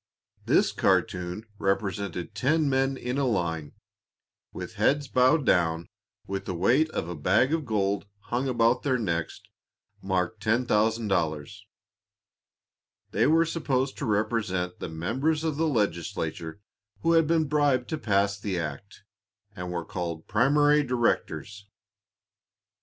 This cartoon represented ten men in a line, with heads bowed down with the weight of a bag of gold hung about their necks, marked "$10,000." They were supposed to represent the members of the legislature who had been bribed to pass the act, and were called "Primary Directors."